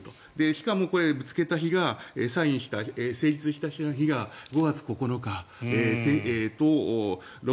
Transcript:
しかもサインした日、成立した日が５月９日。